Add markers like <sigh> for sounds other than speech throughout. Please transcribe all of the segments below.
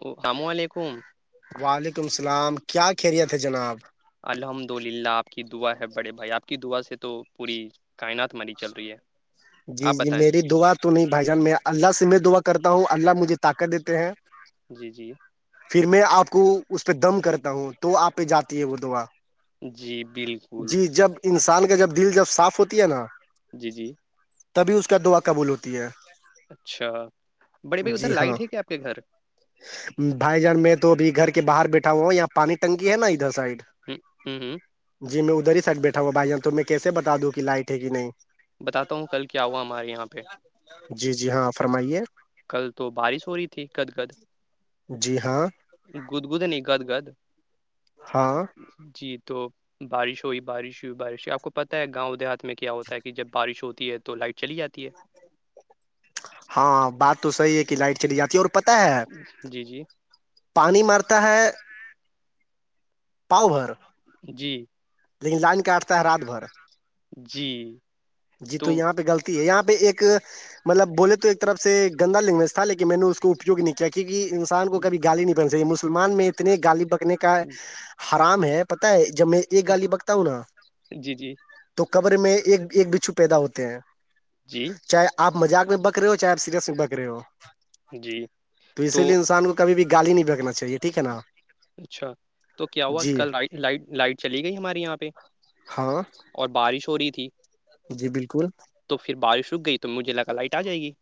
السلام علیکم وعلیکم السلام کیا خیریت ہے جناب <unintelligible> الحمد للہ آپ کی دعا ہے بڑے بھائی آپ کی دعا سے تو پوری کائنات ہماری چل رہی ہے جی آپ جی بتائیں میری دعا تو نہیں بھائی جان میں اللہ سے میں دعا کرتا ہوں اللہ مجھے طاقت دیتے ہیں جی جی پھر میں آپ کو اس پہ دم کرتا ہوں تو آپ پہ جاتی ہے وہ دعا جی بالکل جی جب انسان کا جب دل جب صاف ہوتی ہے نا جی جی تبھی اس کا دعا قبول ہوتی ہے اچھا بڑے بھائی ادھر جی ہاں لائٹ ہے کیا آپ کے گھر بھائی جان میں تو ابھی گھر کے باہر بیٹھا ہوا یہاں پانی ٹنکی ہے نا ادھر سائڈ ہ ہ جی میں ادھر ہی سائیڈ بیٹھا ہوا ہو بھائی جان تو میں کیسے بتا دوں کہ لائٹ ہے کہ نہیں بتاتا ہوں کل کیا ہوا ہمارے یہاں پہ جی جی ہاں فرمائیے کل تو بارش ہو رہی تھی کد کد جی ہاں گدگد نہیں گد گد ہاں جی تو بارش ہوئی بارش ہوئی بارش ہوئی آپ کو پتہ ہے گاؤں دیہات میں کیا ہوتا ہے کہ جب بارش ہوتی ہے تو لائٹ چلی جاتی ہے <inaudible> ہاں بات تو صحیح ہے کہ لائٹ چلی جاتی ہے اور پتا ہے جی جی پانی مارتا ہے پاؤ بھر جی لیکن لائن کاٹتا ہے رات بھر جی جی تو یہاں پہ غلطی ہے یہاں پہ ایک مطلب بولے تو ایک طرف سے گندا لینگویج تھا لیکن میں نے اس کو اپیوگ نہیں کیا کیوںہ انسان کو کبھی گالی نہیں بکنی چاہیے مسلمان میں اتنے گالی بکنے کا حرام ہے پتاہ ہے جب میں ایک گالی بکتا ہوں نا جی جی تو قبر میں ایک ایک بچھو پیدا ہوتے ہیں جی چاہے آپ مذاق میں بک رہے ہو چاہے آپ سیریس میں بک رہے ہو جی تو اسی لیے انسان کو کبھی بھی گالی نہیں بکنا چاہیے ٹھیک ہے نا اچھا تو کیا ہوا جی کل لائٹ لائٹ چلی گئی ہمارے یہاں پہ ہاں اور بارش ہو رہی تھی جی بالکل تو پھر بارش اک گئی تو مجھے لگا لائٹ آ جائے گی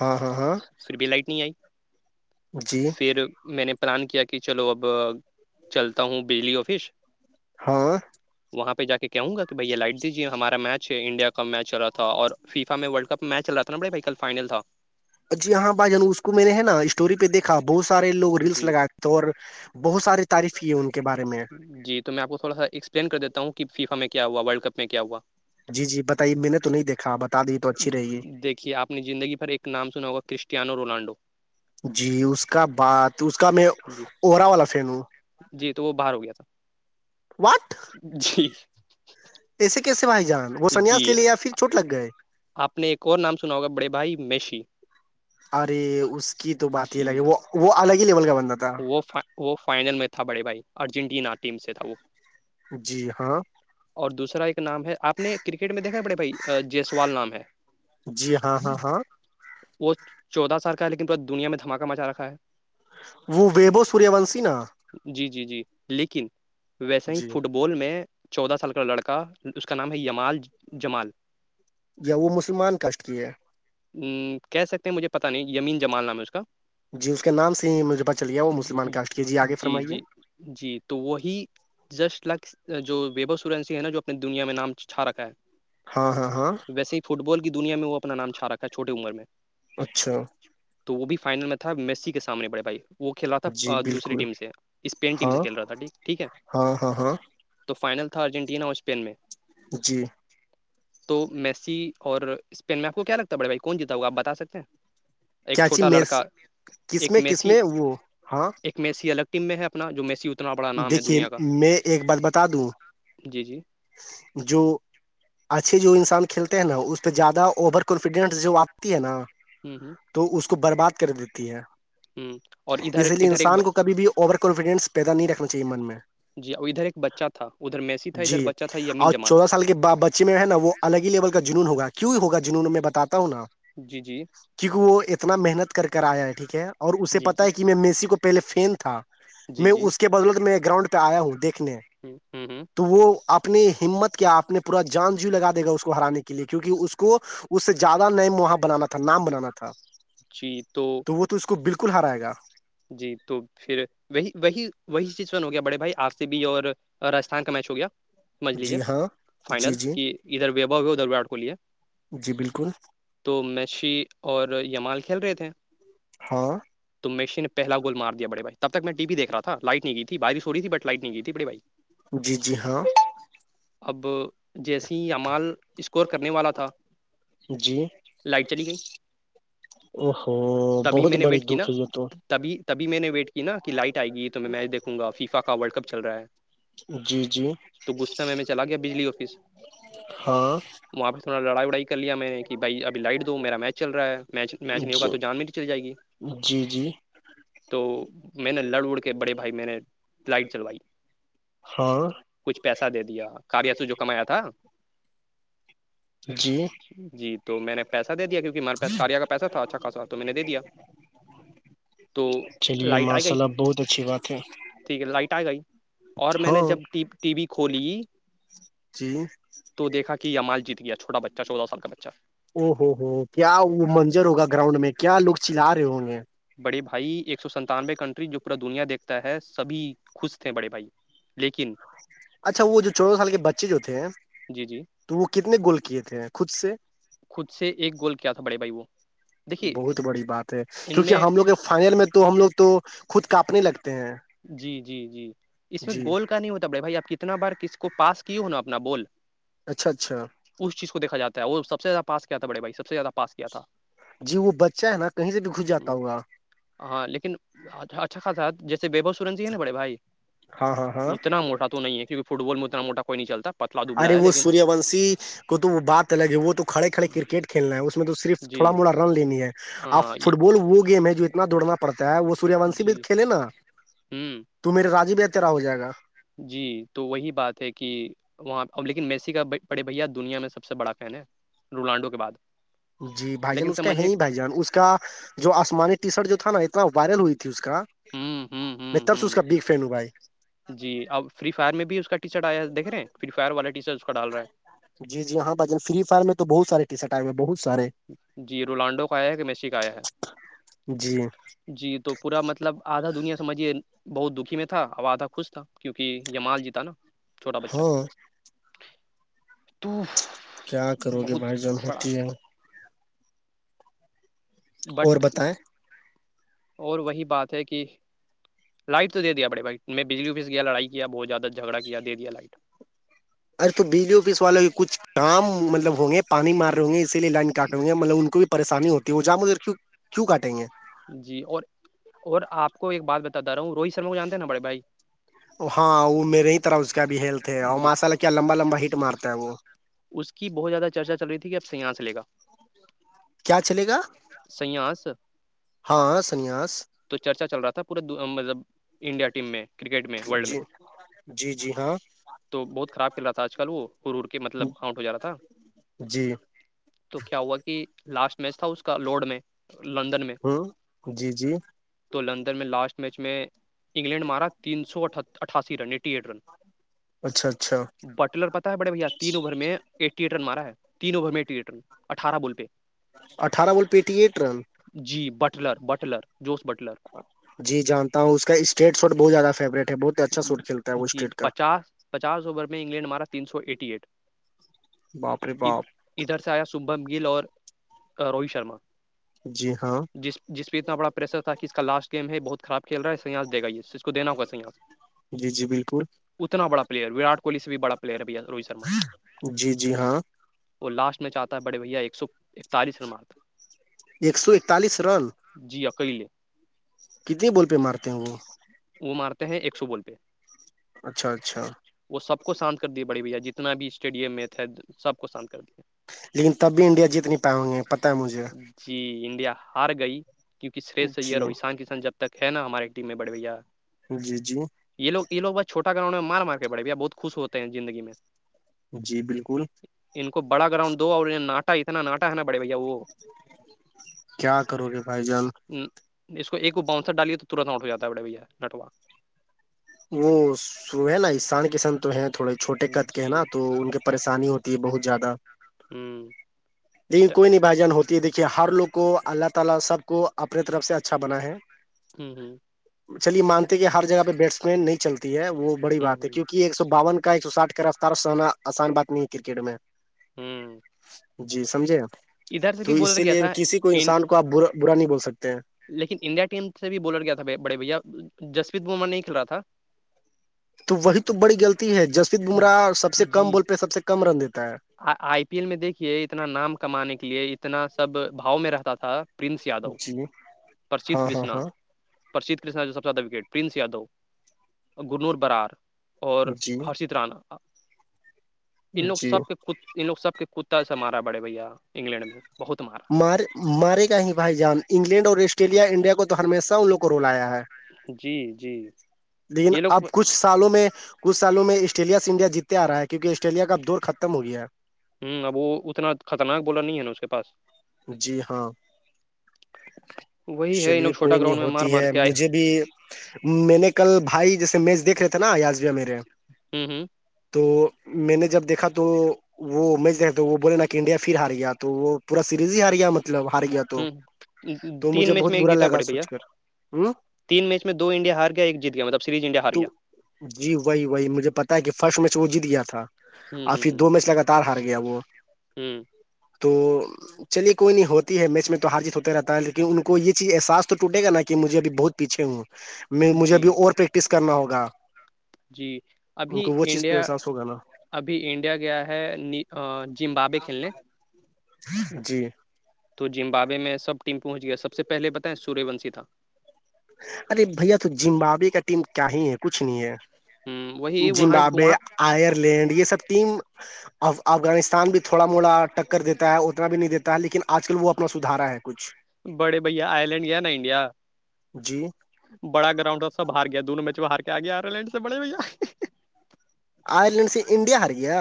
ہاں ہاں ہاں پھر بے لائٹ نہیں آئی جی پھر میں نے پلان کیا کہ چلو اب چلتا ہوں بجلی آفس ہاں وہاں پہ جا کے کہوں گا کہ بھیا لائٹ دیجیے ہمارا میچ ہے انڈیا کا میچ چ رہا تھا اور فیفا میں ورلڈ کپ می چ رہا تھا نا بھائی بائی کل فائنل تھا جی ہاں با جانو اس کو میں نے ہے نا اسٹوری پہیکھا بہت سار لوگ رلس جی لگائےے تو اور بہت ساری تعریف کیے ان کے بارے میں جی تو میں آپ کو تھوڑا سا ایکسپلین کر دیتا ہوں کہ فیفا میں کیا ہوا ورلڈ کپ میں کیا ہوا جی جی بتائیے میں نے تو نہیں دیکھا بتا دی تو اچھی رہے گی دیکھیے آپ نے زندگی پرھر ایک نام سنا ہوگا کرسٹییاانو رونالڈو جی اس کا بعات اس کا میں جی ارا والا فین ہوں جی تو وہ باہر ہو گیا تھا واٹ جی ایسے کیسے بھائی جان وہ سنیاس جی لے لے یا پھر چوٹ لگ گئے آپ نے ایک اور نام سنا ہوگا بڑے بھائی میشی ارے اس کی تو بات ہی جی الگ ہے وہ وہ الگ ہی لیول کا بنتا تھا وہ فا... وہ فائنل میں تھا بڑے بھائی ارجنٹینا ٹیم سے تھا وہ جی ہاں اور دوسرا ایک نام ہے آپ نے کرکٹ میں دیکھا پڑے بھائی جیسوال نام ہے جی ہاں ہاں ہاں وہ چودہ سال کا ہے لیکن پورا دنیا میں دماکہ مچا رکھا ہے وہ ویبو سوریہ وونشی نا جی جی جی لیکن ویسا ہی جی فٹ بال بول میں چودہ سال کا لڑکا اس کا نام ہے یمال جمال یا وہ مسلمان کاشٹ کی ہے کہہ سکتے ہیں مجھے پتاہ نہیں یمین جمال نام ہے اس کا جی اس کے نام سے مجھے پتا چل گ وہ مسلمان کاسٹ کی ہے آگے جی فرمائیے جی جی تو وہی جسٹ لائک جو ویبو سورینسی ہے نا جو اپنی دنیا میں نام چھا رکھا ہے ہاں ہاں ہاں ویسے ہی فٹ بال کی دنیا میں وہ اپناام چھاکھا ہے چوٹٹی عمر میں اچھا تو وہ بھی فائنل میں تھا میسی کے سامنے بڑے بھائی وہ کھیلا جی تھا دوسری بالکل ٹیم سے اسپین ٹیم سے ہاں کھیل رہا تھا ٹھیک ہے ہاں ہاں ہاں تو فائنل تھا ارجنٹینا اور اسپین میں جی <inaudible> تو میسی اور اسپین مپ کو کیا لگتا ہے بڑے بھائی کون جیتا ہواپ بتا سکتے ہیں ایک کیاچی چھوٹا میں لڑکا کس ایک میں کس میسی میں وہ ہاں ایک میسی الگ ٹیم میں ہے اپنا جو میسی اتنا بڑا نام ہے دیکھیے دنیا کا میں ایک بات بتا دوں جی جی جو اچھے جو انسان کھیلتے ہیں نا اس پہ زیادہ اوور کانفیڈنس جو آپتی ہے نا ہمم ہمم تو اس کو برباد کر دیتی ہے ہ اور ادھر اسی لیے ادھر ایک انسان کو کبھی بھی اوور کانفڈینس پیدا نہیں رکھنا چاہی من میں جی ادھر ایک بچہا تھا ادھر میسی تھا ادھر جی بچہ تھا یمین اور جمال چودہ سال کے میں ہے نا وہ الگ ہی لیول کا جنون ہوگ کیوں ہوگا جنون میں باتا ہوں نا جی جی کیونکہ وہ اتنا محنت کر آیا ہے ٹھیک ہے اور اسے جی پتا جی ہے کہ میں میسی کو پہلے فین تھا جی میں جی اس بدولت میں گراؤنڈ پہ آیا ہوں دیکھنے ہ ہ ہ تو وہ اپنی ہمت کیا اپنے پورا جان جیو لگا دے گا اس کو ہرانے کے لیے کیونکہ اس کو اس سے زیادہ نیم واں بنانا تھا نام بنانا تھا تو وہ تو اس کو بالکل ہرائے گا جی تو پھر وہی وہی وہی سچوشن ہو گیا بڑے بھائی آپ سے بھی اور راجستھان کا میچ ہو گیا سمجھ لیجیے جی ہاں فائنل جی جی کہ ادھر وبو ہے ادھر وراٹ کوہلی ہے جی بالکل تو میشی اور یمال کھیل رہے تھے ہاں تو مسی نے پہلا گول مار دیاڑے بھائیب تک میں ٹیی دیک رہا تھا لائٹ نہیںئی تھی باری سوی تھی ب لائٹ نہیں گ تھی بڑے بائی جی جی ہاں اب جیسی یہعمال اسکور کرنے والا تھا جی لائٹ چلی گئی او ہو تبھی بہت میں نے بڑی ویٹ کی دکھ نا ہے یہ تو تبھی تبھی میں نے ویٹ کی نا کہ لائٹ آئے گی تو میں میچ دیکوں گا فیفا کا ورلڈ کپ چل رہا ہے جی جی تو غصہ میں میں چلا گیا بجلی آفس ہاں وہاں پہ سونا لڑائی وڑائی کر لیا میں نے کہ بھائی اب لائٹ دو میرا مچ چل رہا ہے میچ میچ نہیں ہوگا جی تو جان میں چلی جائے گی جی جی تو میں نے لڑ اڑ کے بڑے بھائی میں نے فلائٹ چلوائی ہاں کچھ پیسہ دے دیا کاریاسو جو کمایا تھا جی جی تو میں نے پیساے دیا کیونکہ ہمارے پاس کاریا کا پیسہ تھا اچھا خا تو میں نے دیا تو چلیے لائٹ آ ماشاء گئی اللہ بہت اچھی بات ہے ٹھیک ہے لائٹ آئے گئی اور میں نے ہاں جب ٹی وی کھولی جی تو دیکھا کہ یہ مال جیت گیا چھوٹا بچہ چودہ سال کا بچہ او ہوو ہو کیا وہ منجر ہوگا گراؤنڈ میں کیا لوگ چلا رہے ہوں گے بڑے بھائی ایک سو سنتانوے کنٹری جو پورا دنیا دیکھتا ہے سبھی خوش تھے بڑے بھائی لیکن اچھا وہ جو چودہ سال کے بچے جو تھے جی جی تو وہ کتنے گول کیے تھے ہیں خود سے خود سے ایک گول کیا تھا بڑے بھائی وہ دیکھیے بہت بڑی بات ہے ان کیونکہ میں ہم لوگ فائنل میں تو ہم لوگ تو خود کاپنے لگتے ہیں جی جی جی اس میں جی گول کا نہیں ہوتا بڑھائی بھائی آپ کتنا بار کس کو پاس کیے ہو نا اپنا بول اچھا اچھا اس چیز کو دیکھا جا ہے وہ سب زیادہ پا کیا تھا بڑے بھائی سب سے زیادہ پا کیا تھا جی وہ بچہ ہے نا کہیں سے بھی گھس ہ جاتا ہوگا ہاں لیکن اچھا خاصا ج بےبو سورنج ہی نا بڑے بھائی ہاں ہاں ہاں اتنا موٹا تو نہیں ہے کیونکہ فٹ بال میں اتنا موٹا کوئی نہیں چلتا پتلا ارے دبلا ہے وہ لیکن سوریہ ونشی کو تو وہ بات الگ ہے وہ تو کڑے کھڑے کرکٹ کھیلنا ہے اس میں تو صرف تھوڑا جی موڑا رن لینی ہے اب ہاں یہ فٹ بال وہ گیم ہے جو اتنا دوڑنا پڑتا ہے وہ سوریہ ونش بھی جی کھیلے نا ہوں تو میرے رای بھی تیرا ہو جائے گا جی تو وہی بات ہے کہ وہاں اب لیکن میسی کا بڑے بھیا دنیا میں سب سے بڑا فین ہے رونالڈو کے بعد جی بھائی جان لیکن اس کا ہے سمجھیے ہی بھائی جان اس اس کا جو آسمانی ٹی شرٹ جو تھا نا اتنا وائرل ہوئی تھی اس کا ہ ہ میں ہ تفس ہ اس کا بگ فرینڈ ہوں بھائی جی اپ فری فائر میں بھی اس کا ٹی شرٹ آیا ہے دیکھ رہ ہیں فری فائر والا ٹی شرٹ اس کا ڈال رہا ہے جی جی ہاں بن فری فائر میں تو بہت سارے سا رے بہت سارا جی رونالڈو کا آیا ہے کہ میسی کا آیا ہے جی جی تو پورا مطلب آدھا دنیا سمجھیے بہت دکھی میں تھا آو تھا خوش تھا کیونکہ یمال جیتا نا چھوٹا بچہ ہاں تو کیا کرو گے بہت بھائی جان بڑا ہوتی ہے اور بٹ بتائیں اور وہی بات ہے کہ لائٹ تو دے دیا بڑے بھائی میں بجلی اوفس کیایا لڑائی کیا بہت زیادہ جھگڑا کیا دے دیا لائٹ ارے تو بجلی آفس والے بھی کچھ کا مطلب ہوں گے پانی مار رہ ہوں گے اسی لیے لائن کاٹ ہوں گے مطلب ان کو بھی پریشانی ہوتی ہے وہ جا مجے کی کیوں کاٹیں گے جی اور اور آپ کو ایک بات بتاتا رہا ہوں روہت سرما کو جانتے ہیں نا بڑے بھائی ہاں وہ میرے ہی طرح اس کا بھی ہیلتھ ہے اور جی ماشاءلہ کیا لمبا لمبا ہیٹ مارتا ہے وہ اس کی بہت زیادہ چرچا چل رہی تھی آپ سے یہاں سے لےا کیا چلے گا سیاس ہاں سنیاس تو چرچا چل رہا تھا پورے مطلب انڈیا ٹیم میں کرکٹ میں ورلڈ میں جی جی ہاں تو بہت خراب کرل رہا تھا آج کل وہ ہرور کے مطلب آؤٹ ہو جا رہا تھا جی تو کیا ہوا کہ لاسٹ میچ تھا اس کا لوڈ میں لندن میں ہمم جی جی تو لندن میں لاسٹ میچ میں انگلینڈ مارا تین سو اٹھاسی رن ایٹی ایٹ رن اچھا اچھا بٹلر پتا ہے بڑے بھیا تین اوور میں ایٹیٹر مارا ہے تین اوور میںٹٹیٹر اٹھارہ بول پہ اٹھارہ بول پیٹی ایکٹ رن جی بٹلر بٹلر جوس بٹلر جی جانتا ہوں اس کا اسٹٹ شٹ بہت زیادہ فیورٹ جی پچاس پچاس اوور میں انگلینڈ ہمارا تین سو ایٹی ایٹ باپ رے باپ ادھر سے آیا سمبھم گل اور روہت شرما جی ہاں جس جس پہ اتنا بڑاریشر تھا کہ اس کا لاٹ گیم ہے بہت خراب کھی رہا ہے سیاس د گا یہ اس کو دین ہوگا سیاس جی جی بالکل اتنا بڑا پلیئر اٹ کوہلی سے بھی بڑا پلیئر ہے بھیا روہت شرم جی جی ہاں وہ لاسٹ میں چاہتا ہے بڑے بھیا ایک سو اکتالیس رن مارتا ایک سو اتالس رن جی اکیلے کتنے بول پہ مارتے ہیں وہ وہ مارتے ہیں ایک سو بول پہ اچھا اچھا وہ سب کو شانت کر دیا بڑے بھیا جتنا بھی اسٹیڈیم میں تھے سب کو شانت کر دیا لیکن تب بھی انڈیا جیت نہیں پا ہوں گے پتہ ہے مجھے جی انڈیا ہار گئی کیوںک شرریھ جی سرو ای شان کشان جب تک ہے نا ہمارے ٹیم میں بڑے بھیا جی جی یہ لوگ یہ لو بس چھواہوں مار کے پڑےیا بت خش ہوتے ہیں زندگی میں جی بالکل ان کو بڑا گراؤن دو اور ناٹا اتنا ناٹا ہے نا بڑے بھیا وہ کیا کرو گے بھائی جان اس کو ایک وہ باؤنسر ڈالیے تو ترنت آٹ ہو جاتا ہے بے بھیا نیٹ ورک وہ س ہے نا ایشان کسن تو ہے تھوڑے چھوٹے قد کے ہیں جی نا تو ان کے پریشانی ہوتی ہے بہت زیادہ ھمم <unintelligible> ھمم ھمم چلیے مانتے ہیں کہ ہر جگہ پہ بیٹسمین نہیں چلتی ہے وہ بڑی بات ہ ہے کیونکہ ایک سو باون کا ایک سو سٹھ کا رفتار سنا آسان بات نہیں ہے کرکٹ میں ھمم جی سمجھے تو اس سے لیے تھا کسی کو انسان کو آپ با برا نہیں بول سکتے ہیں لیکن انڈیا ٹیم سے بھی بولر کیا تھا بڑے بھیا جسپت بما نہیں کھیل رہا تھا تو وہی تو بڑی غلطی ہے جسپت بمراہ سب سے جی کم بال پہ سب سے کم رن دیتا ہے آئی پی ایل میں دیکھیے اتنا نام کمانے کے لیے اتنا سب باؤ میں رہتا تھا پرنس ہے یادو جی پرسھ ہاں ہاں کرشنا ہاں پرشید کرنا سب سے زیادہ وکٹ پرنس یادو گرنور برار اور جی ہرشت رانا <unintelligible> ان لوگ جی سب کے ان لوگ سب کے کتا سے مارا بڑے بھیا انگلینڈ میں بہت مارا مار مارے گا ہی بھائی جان انگلینڈ اور آسٹریلیا انڈیا کو تو ہمیشہ ان لوگ کو رولایا ہے جی جی لیکن یہ اب لوگ ہ کچھ <unintelligible> سالوں میں کچھالوں میں آسٹریلیا سے انڈیا جیتتے آ رہا ہے کیونکہ آسٹریلیا کابور ختم ہو گیا ہے ہوں اب وہ اتنا خطرناک بولا نہیں ہے نا اس کے پاس جی ہاں وہی ہے ان لوگ چلیے چھوٹا کوئی نہیں گراؤنڈ میں مار ہوتی مار ہے کے آئے مجھے بھی میں نے کل بھائی جیسے میچ دیکھ رہے تھاے نا یاسبیا میرے ہ تو میں نے جب دیکا تو وہ مچ دیکھا وہ بولے نا کہ انڈیا پھر ہار گیا تو وہ پورا سیریز ہی ہار گیا مطلب ہار گیا تو ہ تو تین مجھے میچ بہت میں ایک برا جیتا لگا بڑے بھیا سوچ کر ہ تین میچ دو انڈیا ہار گ ایک جیت گیاطلب سیریز انڈیا ہاریا تو جی وہی وہی مجھے پتا ہے کہ فرسٹ میچ وہ جیت گیا تھا اور پھر دو میچ لگاتار ہار گیا وہ ھمم تو چلیے کوئی نہیں ہوتی ہے میچ میں تو ہارجیت ہوتے رہتا ہے لیکن ان کو یہ چیز ساس تو ٹے گا نا کہ مھے ابھی بہت پیھے ہوں میں مجھے جی ابھی اور پریکٹس کرنا ہوگا جی ان ابھی کو وہ چیز پہ انڈیا احساس ہوگا نا ابھی انڈیا گیا ہے ن زمبابے کھیلنے جی تو زمبابے میں سب ٹیم پہنچ گیا سب سے پہلے بتائیں سوریہ ونشی تھا ارے بھیا تو زمبابے کا ٹیم کیا ہی ہے کچھ نہیں ہے ہ وہی وہاں وہاں آئر لینڈ یہ سب ٹیم ا افغانستان بھی تھوڑا موڑاٹک کر دیتا ہے اتنا بھی نہیں دیتا ہے لیکن آج کل وہ اپنا سدھارا ہے کچھ بڑے بھیا آئی لینڈ گیا نا انڈیا جی بڑا گراؤنڈ تھا سب ہار گیا دونوں میچ میں ہار کے آ گیا آرلینڈ سے بڑے بھیا آئرلینڈ سے انڈیا ہار گیا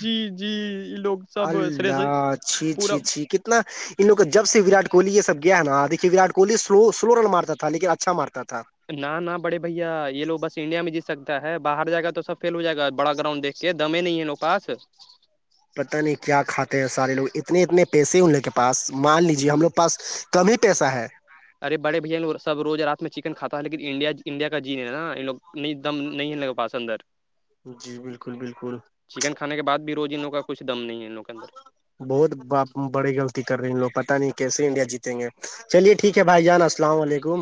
جی جی یہ لوگ سب سرے سے اللہ چھی چ پورا چھی کتنی نا <unintelligible> ان لووں کو جب سے ورٹ کوہلی یہ سب گیا نا دیکھیے ورٹ کوہلی سلو سلو رن مارتا تھا لیکن اچھا مارتا تھا نہ نہ بڑے بھیا یہ لو بس انڈیا میں جیت سکتا ہے باہر جائے گا تو سب فیل ہو جائے گاڑا گرانڈ دیکھ کہ دم نہیں ہے نوں پاس پت نہیں کیا کاتے ہیں سارے لوگ اتنے اتنے پیسے ہیں ان لوگ کے پاس مان لیجے ہم جی لوگ پاس کم ہی پیسہ ہے ارے بڑے بھائا لوگ سب روز رات میں چکن کھاتا ہے لیکن انڈیا انڈیا کا جین ہے نا لگ ن دم نہیں ہے ان لگ پاس اندر جی بالکل بالکل چکن کھانے کے بعد بھی روز انوں کا کچھ دم نہیں ہے انوں کے اندر بہت بڑی غلطئی کر رہی ہیں لوگ پتا نہیں کیسے انڈیا جیتیں گے چلیے ٹھیک ہے بھائی جان السلام علیکم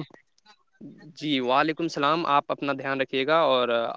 جی وعلیکم السلام آپ اپنا دھیان رکھیے گا اور